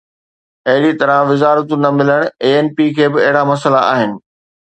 اهڙي طرح وزارتون نه ملن، اي اين پي کي به اهڙا مسئلا آهن.